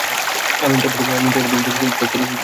আমি ইন্টারপোলের প্যারিস দপ্তরে সংযুক্ত।